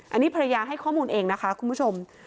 อันนี้ภรรยาให้ข้อมูลเองนะคะคุณผู้ชม